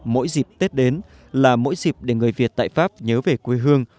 mỗi dịp tết đến là mỗi dịp để người việt tại pháp nhớ về quê hương